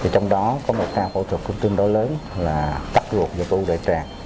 trong đó có một ca phẫu thuật cũng tương đối lớn là cắt ruột và tu đại trạng